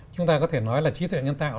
chúng ta có thể nói là trí tuệ nhân tạo